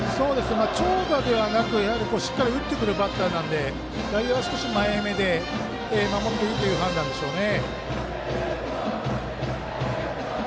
長打ではなくしっかり打ってくるバッターなので外野は少し前めで守っていいという判断でしょうね。